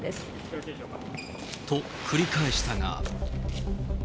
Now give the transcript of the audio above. と繰り返したが。